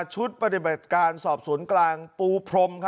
ชุดปฏิบัติการสอบสวนกลางปูพรม